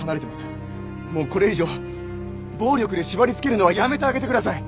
もうこれ以上暴力で縛りつけるのはやめてあげてください！